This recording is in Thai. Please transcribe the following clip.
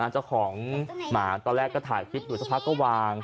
เจ้าของหมาตอนแรกก็ถ่ายคลิปอยู่สักพักก็วาง